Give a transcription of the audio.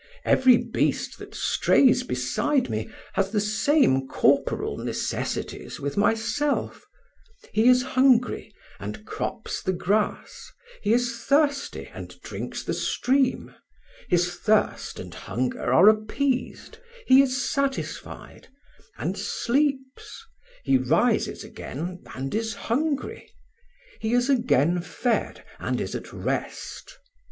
Every beast that strays beside me has the same corporal necessities with myself: he is hungry, and crops the grass; he is thirsty, and drinks the stream; his thirst and hunger are appeased; he is satisfied, and sleeps; he rises again, and is hungry; he is again fed, and is at rest.